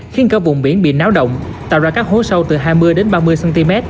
khiến cả vùng biển bị náo động tạo ra các hố sâu từ hai mươi ba mươi cm